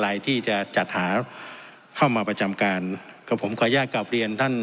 อะไรที่จะจัดหาเข้ามาประจำการก็ผมขออนุญาตกลับเรียนท่าน